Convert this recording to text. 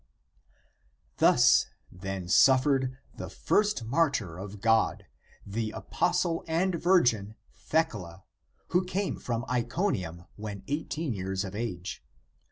" Thus, then suffered the first martyr of God, and apos tle, and virgin, Thecla, who came from Iconium when eighteen years of age.